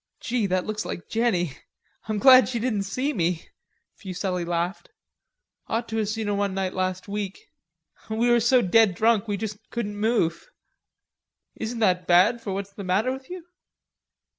"Gee, that looks like Jenny.... I'm glad she didn't see me...." Fuselli laughed. "Ought to 'a seen her one night last week. We were so dead drunk we just couldn't move." "Isn't that bad for what's the matter with you?"